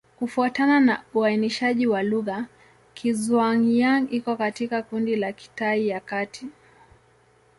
Kufuatana na uainishaji wa lugha, Kizhuang-Yang iko katika kundi la Kitai ya Kati.